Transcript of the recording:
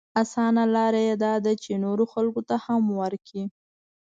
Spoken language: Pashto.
اسانه لاره يې دا ده چې نورو خلکو ته هم ورکړي.